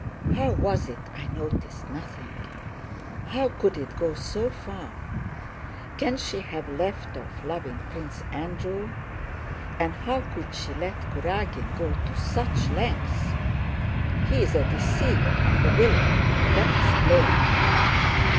"How was it I noticed nothing? How could it go so far? Can she have left off loving Prince Andrew? And how could she let Kurágin go to such lengths? He is a deceiver and a villain, that's plain!